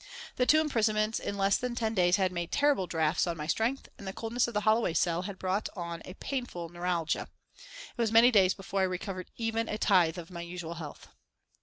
The two imprisonments in less than ten days had made terrible drafts on my strength, and the coldness of the Holloway cell had brought on a painful neuralgia. It was many days before I recovered even a tithe of my usual health.